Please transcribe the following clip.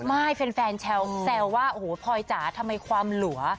ไม่แฟนแซวว่าโอ้โหพลอยจ๋าทำไมความหลัว